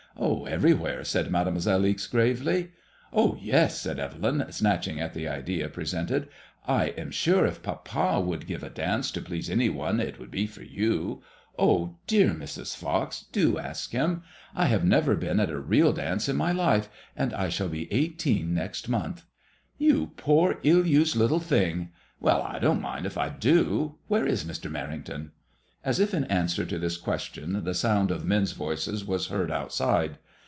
" Everywhere," said Made moiselle Ixe, gravely. " Oh, yes !" said Evelyn, snatching at the idea presented. And I am sure if papa would give a dance to please any one, it would be for you. Oh, dear Mrs. Fox I do ask him. I have never been at a real dance in my life, 76 IIADEMOISXLLE fXS. and I shall be eighteen next month." " You poor, ill used little thing ! Well, I don't mind if I da Where is Mr. Memngton?" As if in answer to this ques tion, the sound of men's voices was heard outside.